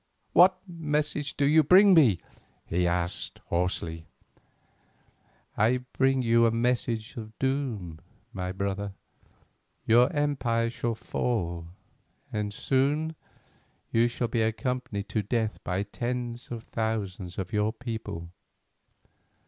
"What message do you bring me?" he asked hoarsely. "I bring you a message of doom, my brother. Your empire shall fall and soon you shall be accompanied to death by tens of thousands of your people.